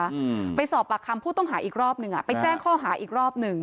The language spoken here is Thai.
ที่ไปสอบปากคำผู้ต้องหาอีกรอบ๑ไปแจ้งห้อหาอีกรอบ๑